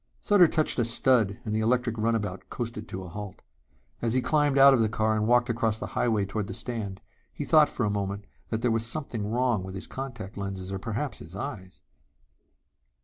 Sutter touched a stud and the electric runabout coasted to a halt. As he climbed out of the car and walked across the highway toward the stand, he thought for a moment there was something wrong with his contact lenses or perhaps his eyes.